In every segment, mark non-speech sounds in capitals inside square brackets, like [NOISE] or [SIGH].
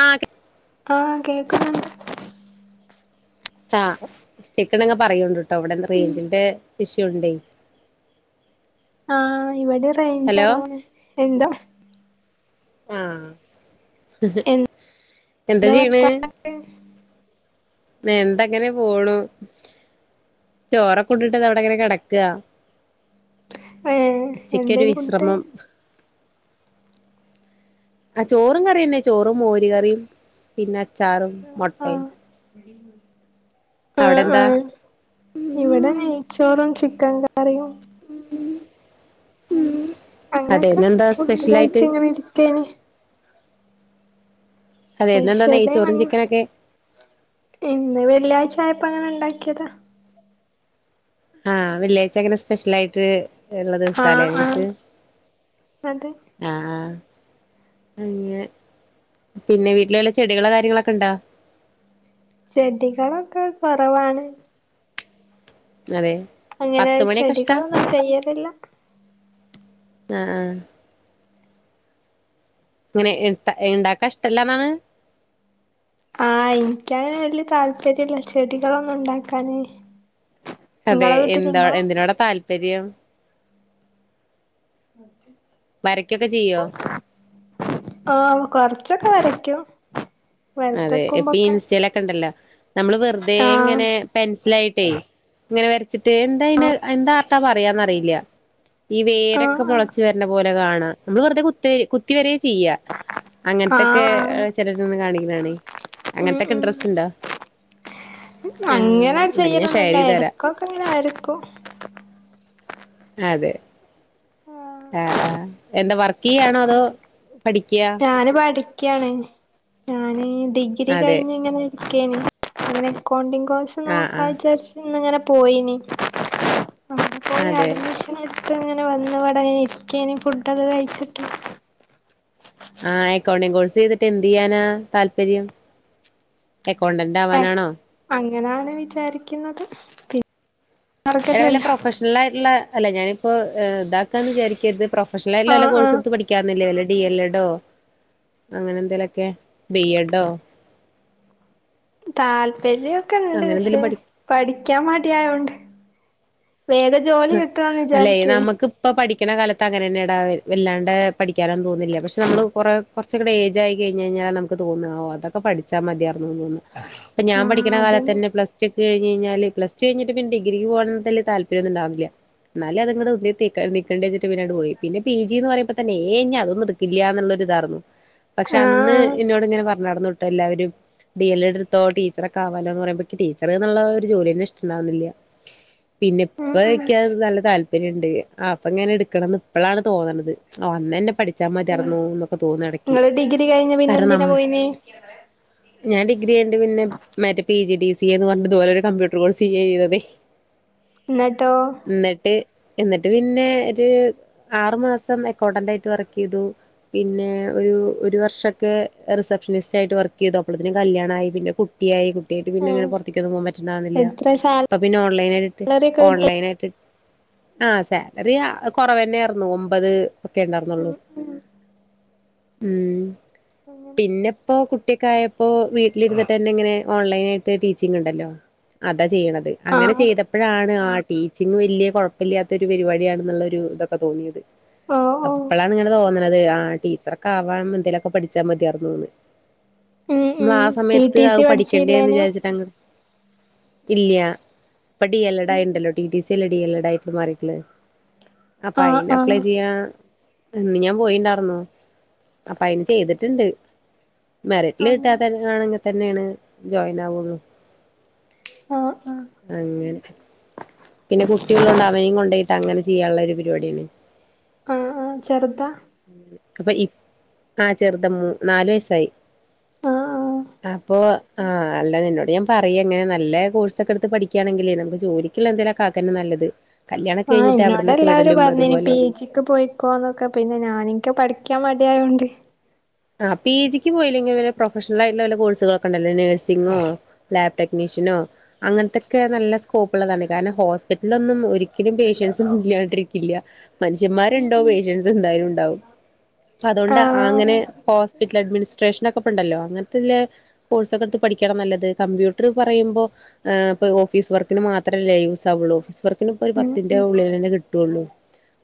ആ. ആ, കേൾ ക്കണ ണ്ട്. ആ, സ്റ്റെക്ക്ണ്ടങ്കി പറയോണ്ട് ട്ടോ, ഇവിടെ റേഞ്ചിന്റെ ഇഷ്യുണ്ട്. ആ, ഇവിടെ റേഞ്ച് ഹലോ കൊറവാണ് എന്താ ആ. എ എന്ത ചെയ്യണ് വാർത്തനൊക്കെ? എന്താ അങ്ങനെ പോണു. ചോറൊക്കെ ഉണ്ടിട്ട്ത അവിടെ അങ്ങനെ കിടക്ക. ഏഹ് ഉച്ചക്കൊരു എന്തേനി ഫുഡ് വിശ്രമം. ആ, ചോറും കറിയന്നെ ചോറും മോര് കറിയും പിന്നെ അച്ചാറും മൊട്ടയും. അ [INAUDIBLE] അവിടെന്താ? ഇവിടെ നെയ്ച്ചോറും ചിക്കൻ കറിയും. ഉം, ഉം. അങ്ങനെയൊക്കെ ഫുഡ് കഴിച്ച് ഇങ്ങനെ ഇരിക്കയണ്. അതെ ഇന്നെന്താ നെയ്ച്ചോറും സ്പെഷ്യലങ്ങനെ ചിക്കനൊക്കെ ഇന്ന് വെള്ളിയാഴ്ചായപ്പോ അങ്ങനെ ഉണ്ടാക്കിയതാ. ആ, വെള്ളിയാഴ്ച്ച അങ്ങനെ സ്പെഷ്യൽ ആയിട്ട് ഇള്ള ദിവസാലേ ആഹ് നിങ്ങക്ക്. ആഹ് അതെ ആ. അങ്ങനെ പിന്നെ വീട്ടില് വല്ല ചെടികളോ കാര്യങ്ങളൊക്കെണ്ടോ? ചെടികളൊക്കെ കൊറവാണ്. അതെ. അങ്ങനെ പത്ത് മണിയൊക്കെ ഇഷ്ടാ ചെടികളൊന്നും ചെയ്യലില്ല. ആ, ആ. ഇങ്ങനെ ത ഇണ്ടാക്കാൻ ഇഷ്ടല്ലാന്നാണ്. ആ, എനിക്കങ്ങനെ വല്യ താല്പര്യല്ല ചെടികളൊന്നും ഉണ്ടാക്കാന്. അതെ ഇങ്ങളെ എന്താ വീട്ടിലുണ്ടോ? എന്തിനോട താല്പര്യം? ഓക്കെ [INAUDIBLE] വരക്കൊക്കെ ചെയ്യോ? ഓ കൊറച്ചൊക്കെ വരക്കും. അതെ ഇപ്പൊ ഇൻസ്റ്റയിലൊക്കെണ്ടല്ലോ നമ്മള് വെറുതെ ആഹ് ഇങ്ങനെ പെൻസിലായിട്ടേ ഇങ്ങനെ വരച്ചിട്ട് എന്താ അയിന് എന്താ ആർട്ടാ പറയാന്നറിയില്ല. ഈ വേരൊക്കെ ആഹ് മൊള ആഹ് ച്ച് വരണ പോലെ കാണാം. നമ്മള് വെറുതെ കുത്തി കുത്തിവരേ ചെയ്യ. ആഹ് അങ്ങനത്തൊക്കെ ആഹ് ചെലരിന്ന് കാണി ഉം അങ്ങനത്തൊക്കെ ഉം ഇൻട്രസ്റ്റ്ണ്ടൊ ആഹ് ഇണ്ടെങ്കി ഞാൻ ഷെയർ ചെയ്ത് തരാ ഓക്കെങ്ങനെ വരക്കും അതെ ആഹ് ആഹ് എന്ത വർക്കെയ്യാണോ അതോ പഠിക്കാ ഞാന് പഠിക്ക്യാണ് ഞാന് ഡിഗ്രി അതെ കയിഞ്ഞ്ങ്ങനെ നിക്കേണ് അങ്ങനെ അക്കൗണ്ടിംഗ് കോഴ്സ് ആഹ് നോക്കാ ആഹ് വിചാരിച്ച് ഇന്നിങ്ങനെ പോയിനി പോയി അതെ അഡ്മിഷ ന്ട്ത്ത് ഇങ്ങനെ വന്നിവടങ്ങനെ ഇരിക്കേണ് ഫുഡ് ഒക്കെ കയിച്ചിട്ട് ആഹ് അക്കൗണ്ടിങ്ങ് കോഴ്സെയ്തിട്ട് എന്ത്യ്യാനാ താല്പര്യം അക്കൗണ്ടന്റ് ആവാനാണോ അങ്ങനാണ് വിചാരിക്കുന്നത് പി അല്ലെ വല്ല പ്രൊഫഷണലായിട്ടിള്ള അല്ല ഞാനിപ്പോ ഇതാക്കാന്ന് വിചാരിക്കരുത് പ്രൊ ഫഷണലായിട്ടിള്ള വെല്ല ആഹ് ആഹ് കോഴ്സ്ട്ത്ത് പഠി ക്കാർന്നില്ലേ വല്ല ഡി എൽ എഡോ അങ്ങനെ എന്തേലൊക്കെ ബിഎഡോ താല്പര്യൊക്കെണ്ട് അങ്ങനെ പക്ഷെ എന്തേലും പഠി പഠിക്കാൻ മടി ആയോണ്ട് വേഗം ജോലി കിട്ടോന്ന് വിചാരിക്കേ ഇപ്പോ പഠിക്കണ കാലത്ത് അങ്ങനെന്നെടാ വല്ലാണ്ട് പഠിക്കാനൊന്നും തോന്നുല്ല പക്ഷെ നമ്മള് കൊറേ കൊറച്ചങ്ങട് ഏജായി കഴിഞ്ഞയിഞ്ഞാ നമുക്ക് തോന്നാ ഓ അതൊക്ക പഠിച്ചാ മതിയാർന്നൂന്ന് ഇപ്പ ഞാൻ ആഹ് പഠിക്കണ അതന്നെ കാലത്തന്നെ പ്ലസ്റ്റു ഒക്കെ കഴിഞഴിഞാല് പ്ലസ്ടു കഴിഞ്ഞിട്ട് പിന്നെ ഡിഗ്രി പോണതിൽ താല് പര്യൊന്നുണ്ടാർന്നില്ല ഇന്നാലും അത്ങ്ങട് ഉന്തി നിക്കണ്ടേ വച്ചിട്ട് പിന്നങ്ങ്ട് പോയി പിന്നെ പി ജിന്ന് പറയുമ്പോ തന്നെ ഏയ് ന്നി അതൊന്ന് ഇട് ക്കില്യാന്നുള്ളൊരിതാർന്നു പക്ഷെ അന്ന് ആഹ് ഇന്നോട് ഇങ്ങനെ പറഞ്ഞാർന്നുട്ടാ എല്ലാവരും ഡി എൽ എടുത്തോ ടീച്ചർ ഒക്കെ ആവാലോന്ന് പറയുമ്പോ ക്ക് ടീച്ചർന്നിള്ള ഒരു ജോലിന്നെ ഇഷ്ടണ്ടാർന്നില്ല പിന്നെ ഉം ഇപ്പ ഉം ഇക്കത് നല്ല താല്പര്യണ്ട് അപ്പ ഇങ്ങനെ എടുക്കണംന്ന് ഇപ്പളാണ് തോന്നണത് ഒന്നന്നെ പഠി ച്ച മതിയാർന്നുന്നൊക്കെ തോന്നും എടക്ക് ഇങ്ങള് ഡിഗ്രി കഴിഞ്ഞ പിന്നെ കാരണം എന്തിനാ നമ്മ പോയിന് ഞാൻ ഡിഗ്രി കയിന്റെ പിന്നെ മറ്റേ P G D C A ന്ന് പറഞ്ഞ് ഇതുപോലെ ഒരു കമ്പ്യൂട്ടർ കോഴ്സിയ്യെയ്യ എയ്തതേ എന്നട്ടോ എന്നിട്ട് എന്നിട്ട് പിന്നെ ഒര് ആറ് മാസം അക്കൗണ്ടന്റായിട്ട് വർക്കെയ്തു പിന്നെ ഒരു ഒരു വർഷൊക്കെ റിസപ്ഷനിസ്റ്റായിട്ട് വർക്കെയ്തു അപ്പളത്തിനും കല്യാണായി പിന്നെ കു ട്ടിയായി കുട്ടിയായിട്ട് പിന്നെ ഉം ഇങ്ങനെ പൊർത്തേക്കൊന്നും പോവാൻ പറ്റിണ്ടാർന്നില്ല എത്ര ഇപ്പ സാലറി പിന്നെ ഓൺലൈനായിട്ട് ഒക്കെ കിട്ടും ഓൺലയിനായിട്ട് ആ സാലറിയ കൊറവന്നാർന്നു ഒമ്പത് ഒക്കെ ഉം ഇണ്ടാർന്നുള്ളു ഉം ഉം അങ്ങനെ പിന്നെപ്പോ കുട്ടിയൊക്കെ ആയപ്പോ വീട്ടിലിര്ന്ന്ട്ടന്നെങ്ങന്നെ ഓൺലൈനായിട്ട് ടീച്ചിങ് ഇണ്ടല്ലോ. അതാ ചെയ്ണത് അങ്ങനെ ആഹ് ചെയ്തപ്പഴാണ്. ആ ടീച്ചിങ് വല്യേ കുഴപ്പല്യാതെ ഒരു പരിപാടിയാണ്ന്നുള്ള ഒരു ഇതൊക്കെ തോന്നിയത്. ഓഹ് ഓഹ് അപ്പളാണ് ഇങ്ങനെ തോന്നണത്ത് ആ ടീച്ചറൊക്കെ ആവാൻ എന്തേലൊക്കെ പഠിച്ചാ മത്യാർന്നുന്ന്. ഉം നമ്മളാ ഉം ടി സമയത്ത് ടി അവ് സി പഠിക്കണ്ടേന്ന് പഠിച്ചില്ലേനു ജാര്ചിട്ടഅങ്ങ്. ഇല്യ ഇപ്പ ഡീ എല്ലടാ ഉം ഉം ആയിണ്ടല്ലോ ടിടി സിഅല്ലെ ഡി എല്ലടാ ആയിട്ട് മാറിട്ട് ള്ളത്. അപ്പ ആഹ് അയിന് ആഹ് അപ്ലൈ ചെയ്യാ. തിന്ന്ഞാൻ പോയിണ്ടായിർന്നു അപ്പ അയിന് ചെയ്തിട്ട്ണ്ട്. മെറിറ്റില് അങ്ങനെ കിട്ടാതന്നെ ആണെങ്കെ തന്നെയേണ് ജോയിനാവുള്ളു. ആഹ് ആഹ് അങ്ങനെ. പിന്നെ കുട്ടിള്ളോണ്ട് അവനേം കൊണ്ടോയിട്ട് അങ്ങനെ ചെയ്യാള്ള ഒരു പരിപാടിയാണ്. ആഹ് ആഹ് ചെർതാ. ഉം ഇക്ക്‌ ഇപ്പ ആഹ് ചെറുത മൂ നാല് വയസായി. ആഹ് ആഹ് അപ്പൊ ആഹ് അല്ല നിന്നോട് ഞാൻ പറയ ഇങ്ങനെ നല്ല കോഴ്സ് ഒക്കെ എടുത്ത് പഠിക്കണെങ്കിലേയ് നമുക്ക് ജോലിക്ക്‌ള്ള എന്തെലൊ കാക്കന്നെ നല്ലത് കല്യാണൊക്കെ കഴിഞ്ഞിട്ട് അവിട്ന്നൊക്കെ വിടലും ഉം അതുപോലെ. ക്ക്‌ പൊയ്ക്കോന്നൊക്കെ പിന്നെ ഞാനിക്ക് പഠിക്കാൻ മടി ആയോണ്ട്. ആ പി ജിക്ക് പോയില്ലെങ്കിൽ പിന്നെ പ്രൊഫഷണൽ ആയിട്ടുള്ള കോഴ്സൊക്കണ്ടല്ലോ നഴ്സിങ്ങോ. ലാബ് ടെക്നിഷ്യനോ. അങ്ങൻത്തക്കെ നല്ല സ്കോപ്പ് ഉള്ളതാണ് കാരണം ഹോസ്പിറ്റലിലൊന്നും ഒരിക്കലും പേഷ്യൻസ് ഒന്നും ഇല്യാണ്ടിരിക്കില്ല. മൻഷ്യന്മാര് ഉണ്ടോ പേഷ്യൻസ് എന്തായാലും ഉണ്ടാവും അപ്പ അതോണ്ട് ആഹ് അങ്ങനെ. ഹോസ്പിറ്റൽ അഡ്മിനിസ്ട്രേഷൻ ഒക്കെ ഉണ്ടല്ലോ അങ്ങൻത്തെല്ലെ. കോഴ്സൊക്കെട്ത്ത് പഠിക്കാണ് നല്ലത് കമ്പ്യൂട്ടറ് പറയുമ്പോ ഏഹ് ഇപ്പൊ ഓഫീസ് വർക്കിന് മാത്രല്ലേ യൂസ് ആവുള്ളൂ ഓഫീസ് വർക്കിന് ഇപ്പൊ ഒരു ഉം പത്തിന്റെ ഉം ഉള്ളിലെന്നെ കിട്ടുള്ളൂ.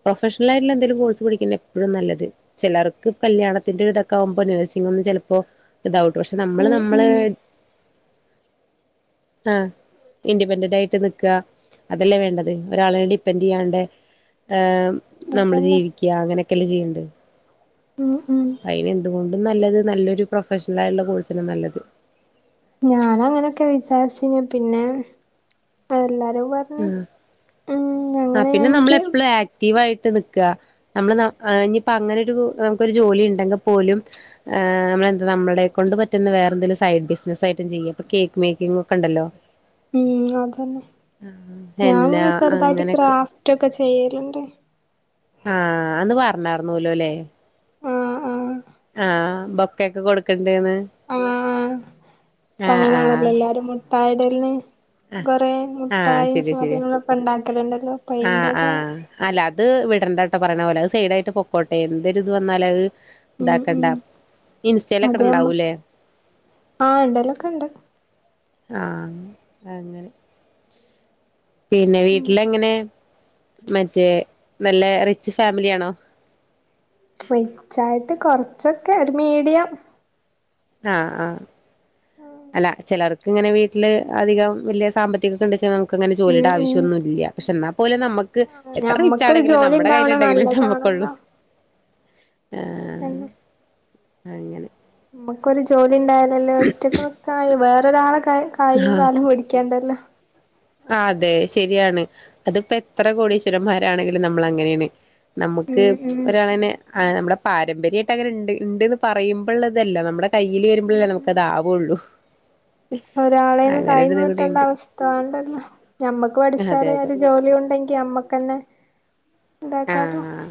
പ്രൊഫഷണലായിട്ടുള്ള എന്തെലും കോഴ്സ് പഠിക്കുന്ന എപ്പഴും നല്ലത് ചിലർക്ക് കല്യാണത്തിന്റെ ഒരിത ക്കാവുമ്പോ നഴ്സിംഗ് ഒന്നും ചെൽപ്പോ ഇതാ കൂല പക്ഷെ നമ്മള് ഉം നമ്മളെ ഉം ആഹ് ഇൻഡിപെൻഡന്റ് ആയിട്ട് നിക്ക അതല്ലേ വേണ്ടത് ഒരാളെ ഡിപ്പെന്റ്യ്യാണ്ടെ. ഏമ് നമ്മള് അതന്നെ ജീവിക്ക്യ അങ്ങനൊക്കെല്ലെ ചെയ്യണ്ട്. ഉം ഉം. അയ്ന് എന്തുകൊണ്ടും നല്ലത് നല്ലൊരു പ്രൊഫഷണൽ ആയിള്ള കോഴ്സന്നെ നല്ലത്. ഞന് അങ്ങനെയൊക്കെ വിചാര്ചീന്നു പിന്നെ എല്ലാരുംപ ആഹ് ആ പിന്നെ ഇൻക്ക് നമ്മളെപ്പളും ആക് ക്റ്റിവായിട്ട് നിക്ക നമ്മള് ന്ന ഇനിയിപ്പോ അങ്ങനൊരു നമുക്കൊരു ജോലി ഉണ്ടെങ്കി പോലും. ഏഹ് നമ്മളെന്താ നമ്മളെ കൊണ്ട് പറ്റുന്ന വേറെന്തെങ്കിലും സൈഡ് ബിസിനസ് ആയിട്ടും ചെയ്യ ഇപ്പ കേക്ക് മേക്കിങ്ങും. ഒക്കെണ്ടല്ലോ. ഉം അതന്നെ എന്നാ ഞാന്ങ്ങനെ ചെർതായിട്ട് അങ്ങനെയൊക്കെ ക്രാഫ്റ്റ് ഒക്കെ ചെയ്യല്ണ്ട്‌. ആഹ് അന്ന് പറഞാർന്നുലോല്ലേ? ആഹ് ആഹ് ആഹ് ബൊക്കക്കെ കൊടുക്ക്‌ണ്ട്‌ന്ന്. ആഹ് പ്പ അങ്ങനെയാണല്ലോ ആഹ് എല്ലാരും മുട്ടായിടൽന് ആഹ് കൊറേ ആഹ് മുട്ടായിം ശരിയാ ശരിയാ സാധനങ്ങളൊ ക്കെണ്ടാക്കലുണ്ടല്ലോ. ആഹ് ആഹ് അല്ല അത് വിടണ്ടാട്ടോ പറയ്ണ പോലെ അത് സൈഡായിട്ട് പൊക്കോട്ടെ എന്തൊരിത് വന്നാലും അത്. ഉം ഇതാക്കണ്ട ഉം ഇൻസ്റ്റെലൊക്കെ അതെ നമ്മ ഇട്ണ്ടാവൂലേ? ആഹ് ഇടലൊക്കെ ഉണ്ട് ആഹ് അങ്ങനെ. പിന്നെ വീട്ട്ല് എങ്ങനെ മറ്റേ നല്ല റിച്ച് ഫാമിലിയാണോ? റിച്ചായിട്ട് കൊറച്ചൊക്കെ ഒരു മീഡിയം. ആഹ് ആഹ് അല്ല ചെലർക്ക് ഇങ്ങനെ വീട്ടില് അധികം വലിയ സാമ്പത്തികക്കെ ഉണ്ടെച്ചാ നമുക്ക് അങ്ങനെ ഉം ജോലിയുടെ ഉം ആവശ്യംന്നും ഇല്ല. പക്ഷെ എന്നാൽ പോലും നമ്മക്ക് എത്ര റിച്ച് ഞമ്മക്കൊരു ആണെങ്കിലും ജോലി നമ്മുടെ ഉണ്ടാവണ കൈയ്യിലുണ്ടെങ്കിലേ നമ്മക്ക് ഉള്ളൂ. നല്ലതാണല്ലോ ആഹ് അങ്ങനെ. നമ്മക്കൊരു ജോലി ഉണ്ടായാലല്ലേ ഒറ്റക്ക് നിക്കാ വേറൊരാളെ കൈ കയ്യും, ആഹ് കാലും പിടിക്കേണ്ടല്ലോ? അതെ ശരിയാണ് അതിപ്പോ എത്ര കോടീശ്വരന്മാരാണെങ്കിലും നമ്മൾ അങ്ങനെയാണ്. നമുക്ക് ഉം ഉം ഒരാളന്നെ. ആഹ നമ്മുടെ പാരമ്പര്യ ആയിട്ട്ണ്ട് അങ്ങനെ ഉണ്ട് ഉണ്ട്ന്ന് പറയുമ്പോുള്ളതല്ല. നമ്മുടെ കയ്യിൽ ഉം വരുമ്പോഴല്ലേ നമുക്ക് അതാവുള്ളൂ. ഒരാളെ നിന്ന് കൈ നിട്ടേണ്ട അവസ് ആതോണ്ടല്ല ഞമ്മക്ക് അതെ പഠിച്ചാല് അതെ ഒരു ജോലി ഉണ്ടെങ്കി അമ്മക്ക്ന്നെ ഉണ്ടാക്കാലോ ആഹ്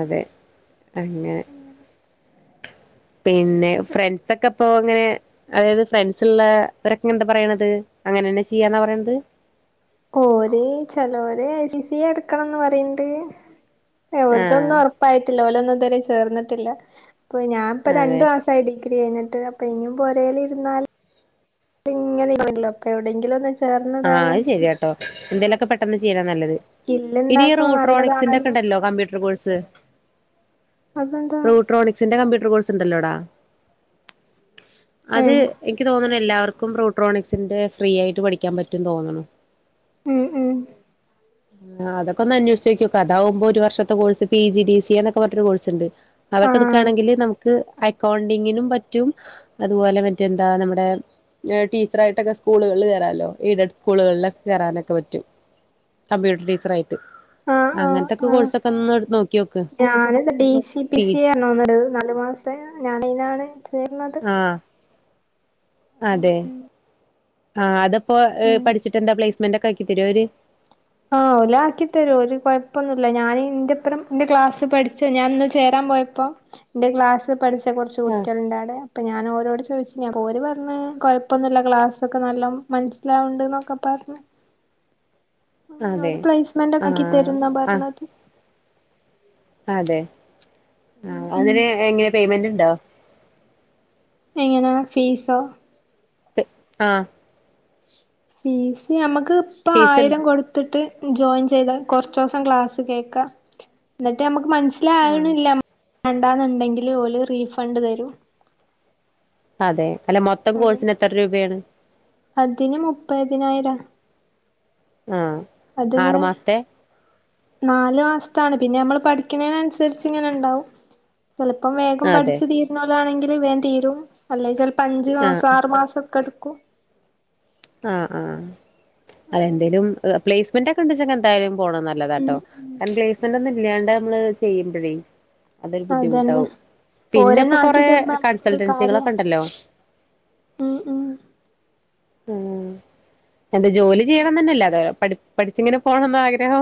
അതെ അങ്ങനെ പിന്നെ ഫ്രണ്ട്സൊക്കെ ഇപ്പോ അങ്ങനെ. അതായത് ഫ്രണ്ട്സ് ഉള്ളവരൊക്കെ എന്താ പറയണത്. അങ്ങനെന്നാ ചെയ്യാന്നാ പറയണത്. ഓര് ചിലോര് ഐ സി സി എടുക്കണംന്ന് പറയണ്ട്. ആഹ് ഓര്ത്തൊന്നും. ഒറപ്പ് ഉറപ്പായിട്ടില്ല ഓലൊന്നും ഇത് വരെ ചേർന്നിട്ടില്ല. അപ്പൊ ഞാനിപ്പ അതെ രണ്ട് ത [UNINTELLIGIBLE] ഡിഗ്രി കഴിട്ട് അപ്പൊ ഇനിയും പുരേൽ ഇരുന്നാല്. ഇങ്ങനെങ്ങനോ അപ്പോ എവിടെങ്കിലും ഒന്. ആഹ അത് ശരിയാട്ടോ എന്തേകിലൊക്കെ പെട്ടെന്ന് ചെയ്യണ് നല്ലത്. സ്കില്ല് ഇനീ ഇണ്ടാക്കണ റൂട്രോണിക്സിന്റെ ഒക്കെ നല്ലതാണല്ലോ ഉണ്ടല്ലോ കമ്പ്യൂട്ടർ കോഴ്സ്. അതെന്താ റൂട്രോണിക്സിന്റെ കമ്പ്യൂട്ടർ കോഴ്സ് ഉണ്ടല്ലോടാ. അത് ഏഹ് എനിക്ക് തോന്നുന്നു എല്ലാവർക്കും റൂട്രോണിക്സിന്റെ ഫ്രീ ആയിട്ട് പഠിക്ക പഠിക്കാൻ പറ്റുംന്ന് തോന്നണ്. ഉം ഉം ആഹ അതൊക്ക ഒന് അന്വേഷിച്ച് ന നോക്ക അതാവുമ്പോ ഒരുവർഷത്തെ course P G D C എന്നൊക്കെ പറഞ്ഞ കോഴസ് ഉണ്ട്. അതൊക്കെ ആഹ് എടുക്കുകയാണെങ്കിൽ നമുക്ക് അക്കൗണ്ടിങ്ങിനും പറ്റും. അതുപോലെ മറ്റെന്താ നമ്മുടെ. ടീച്ചറായിട്ടൊക്കെ സ്കൂളുകളിൽ കൊറലോ എയ്ഡ് സ്കൂളുകളിലൊക്കെ കൊറനൊക്കെ പറ്റും. കമ്പ്യൂട്ടർ ടീച്ചർ ആയിട്ട്. ആഹ ആഹ ആഹ നോക്ക് ഞാന് E D C P C നല്ല് മാസം ഞാന് ആയിനാണ് ചേരുന്നത്. ആഹ് അതെ [UNINTELLIGIBLE] ആഹ് അതിപ്പോ ഉം പഠിച്ചിട്ട് എന്താ പ്ലേസ്മെന്റ് ഒക്കെ ആക്കി തരുആവര്. ആഹ് ഓല്അക്കി തരും ഒരു കുഴപ്പൊന്നുല ഇ ഞാനൻന്റെപ്പറം എന്റെ ക്ലാസ്സ് പഠിച്ച ഞാൻ ഇന്ന് ചേരാൻ പോയ. ഇപ്പൊ എന്റെ ക്ലാസ്സിൽ പഠിച്ച കുറച്ച് കുട്ടിള് ഉണ്ടാവിടെ. ഇപ്പൊ ഞാനോരോട് ചോദിച്ചു അപ്പൊ ഒല് പറഞ്ഞ് കുഴപ്പൊന്നുമില്ല ക്ലാസ്സൊക്കെ നല്ല മനസ്സിലാവണ്ട എന്നൊക്കെ പറഞ് അങ്ങനെ അതെ ഒരു പ്ലേസ്മെന്റ് ഒക്കെ ആക്കി ആഹ് തരുന്ന ആഹ് പറഞ്ഞത്. അതെ ആഹ ഉം അതിന് എങ്ങനെ പേയ്മെന്റ് ഉണ്ടോ? എങ്ങനാ ഫീസോ? ആഹ് ഫീസ് നമുക്ക് ഇപ്പ ഫീസ്ണ്ട് ആയിരം കൊടു ട് ജോയിൻ ചെയ്ത കുറച്ചോസം ക്ലാസ്സ് കേൾക്ക എന്നിട്ട് നമുക്ക് മനസില. ആഹ [UNINTELLIGIBLE] ല്ല വേണ്ടാെന്നുണ്ടെങ്കിൽ ഓല് റീഫണ്ട് തരും. അതെ അല്ല മൊത്തം ഉം കോഴ്സിന് എത്ര രൂപയാണ്. അതിന് മുപ്പതിനായിരം. ആഹ് ആറു അതിങ്ങനെ മാസത്തെ നാല് മാസത്താണ് പിന്നെ നമ്മള് പഠിക്കുന്നതിനന്നുസരിച്ച് ഇങ്ങനെ ഉണ്ടാവും ചെലപ്പം വേഗം അതെ പഠിച്ചു തീരുന്ന ഓലാണെങ്കില് വേഗം തീരും. അല്ലേ ചെലപ്പോ അഞ്ചു മാസം ആഹ് ആറു മാസം ഒക്കെ എടുക്കു ആഹ് ആഹ് അങ്ങനെ അതെന്തേലും പ്ലേസ്മെന്റ് ഒക്കെ [UNINTELLIGIBLE] എന്തായാലും പോണത് ഉം നല്ലതാട്ടോ ഉം കാരണം പ്ലേസ്മെന്റ് ഒന്നും ഇല്ലാണ്ട് നമ്മള് ചെയ്യുമ്പഴേ അതൊരു അതന്നെ ബുദ്ധിമുട്ടാവും പിന്നെ ഓരന്നെ ഇപ്പോ ആക്കി കൊറെ തരുമ്പോ നമ്മക്കൊരു കാര്യാ കൺസൾട്ടൻസികളൊക്കെ ഒണ്ടല്ലോ ഉം ഉം ഉം എന്താ ജോലി ചെയ്യണം തന്നെയല്ലേ അതോ പഠിച്ചിങ്ങനെ പോണന്ന ആഗ്രഹോ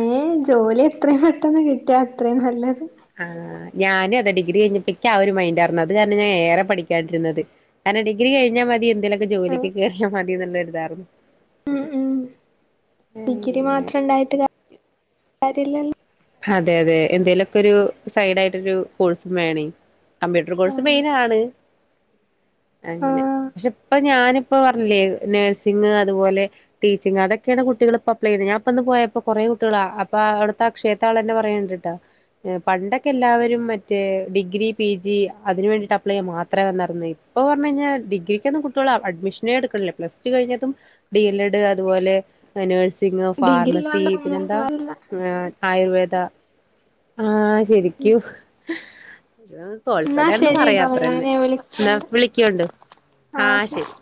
ഏഹ് ജോലി എത്രേം പെട്ടെന്ന് കിട്ട്യാ അത്രേം നല്ലത് ആഹ് ഞാനും അതെ ഡിഗ്രി കഴിഞ്ഞപ്പേക്ക് ആഹ് ഒരു മൈൻഡ് ആരുന്നു അത് കാരണം ഞാൻ ഏറെ പഠിക്കാണ്ടിരുന്നത് കാരണം ഡിഗ്രി കഴിഞ്ഞാ മതി എന്തേലുമൊക്കെ ഉം ജോലിക്ക് കേറിയാ മതി എന്നുള്ളരിതാരുന്നു ഉം ഉം ഡിഗ്രി മാത്രം ഉണ്ടായിട്ട് കാര്യല്ലല്ലോ അതെ അതെ എന്തേലുവോക്കെ ഒരു സൈഡ് ആയിട്ടൊരു കോഴ്സും വേണേ കമ്പ്യൂട്ടർ കോഴ്സ് ആഹ് മെയിനാണ് അങ്ങനെ ആഹ് പക്ഷെ ഇപ്പ ഞാനിപ്പ പറഞ്ഞില്ലേ നേഴ്സിങ് അതുപോലെ ടീച്ചിങ് അതൊക്കെയാണ് കുട്ടികളിപ്പ അപ്ലൈ ചെയ്യുന്നത് ഞാപ്പ പോയപ്പോ കുട്ടികളാ അപ്പം അവടുത്ത അക്ഷേത്താള് തന്നെ പറയ്ണ്ട്ട്ടാ പണ്ടൊക്കെ എല്ലാവരും മറ്റേ ഡിഗ്രി പി ജി അതിന് വേണ്ടിട്ട് അപ്ലൈ ചെയ്യ മാത്രേ വന്നാര്ന്നെ ഇപ്പോ പറഞ്ഞ് കഴിഞ്ഞാ ഡി ഗ്രിക്കൊന്നും കുട്ട്യോള് അഡ്മിഷനേ എടുക്കണില്ല പ്ലസ് ടു കഴിഞ്ഞതും ഡി എൽ എഡ് അതുപോലെ നഴ്സിങ് ഡിഗ്രി ഫാർമസി ഇല്ലാണ്ട് പിന്നെ ഒന്നിനും എന്താ കാര്യല്ല ആയുർവേദ ആഹ് ശെരിക്കും എന്നാ കോളിഫയ്ഡ് ആണന്ന് ശരിട്ടോ പറയാത്രന്നെ ഞാന് എന്നാ വിളിക്കണ്ട് വിളിക്കോണ്ട് ആഹ് ശെരി